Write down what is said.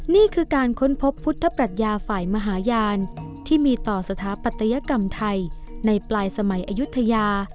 นี่คือการค้นพบพุทธปรัชญาฝ่ายมหาญาณที่มีต่อสถาปัตยกรรมไทยในปลายสมัยอายุทยา